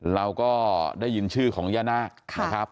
เราก็ได้ยินชื่อของย่านาคนะครับ